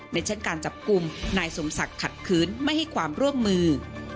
เช่นการจับกลุ่มนายสมศักดิ์ขัดคืนไม่ให้ความร่วมมือ